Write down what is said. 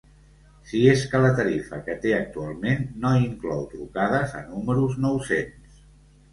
Sí, és que la tarifa que té actualment no inclou trucades a números nou-cents.